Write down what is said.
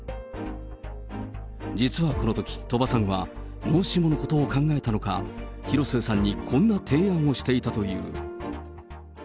実はこのとき、鳥羽さんは、もしものことを考えたのか、広末さんにこんな提案をしていたという。